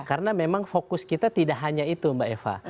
karena memang fokus kita tidak hanya itu mbak eva